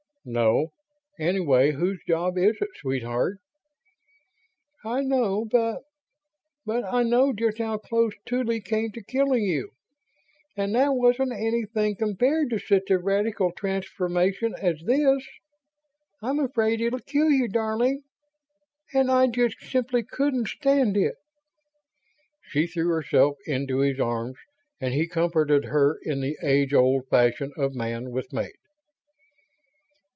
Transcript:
"No. Anyway, whose job is it, sweetheart?" "I know, but ... but I know just how close Tuly came to killing you. And that wasn't anything compared to such a radical transformation as this. I'm afraid it'll kill you, darling. And I just simply couldn't stand it!" She threw herself into his arms, and he comforted her in the ages old fashion of man with maid.